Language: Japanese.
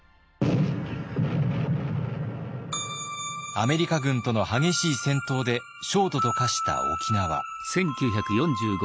アメリカ軍との激しい戦闘で焦土と化した沖縄。